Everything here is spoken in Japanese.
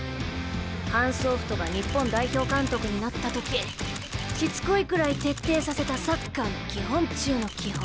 ハンス・オフトが日本代表監督になった時しつこいくらい徹底させたサッカーの基本中の基本。